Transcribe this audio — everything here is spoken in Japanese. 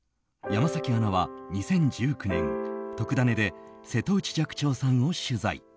山崎アナは２０１９年「とくダネ！」で瀬戸内寂聴さんを取材。